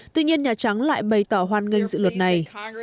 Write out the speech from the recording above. tuy nhiên nhà trắng lại bày tỏ hoan nghênh dự luật này